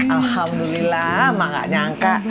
alhamdulillah mak nggak nyangka